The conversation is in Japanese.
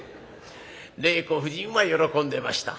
令子夫人は喜んでました。